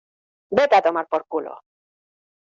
vete a tomar por culo.